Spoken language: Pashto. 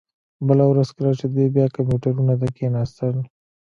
بله ورځ کله چې دوی بیا کمپیوټرونو ته کښیناستل